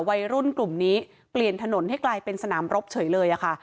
วัยรุ่นกลุ่มนี้เปลี่ยนถนนให้กลายเป็นสนามรบเฉยเลยค่ะ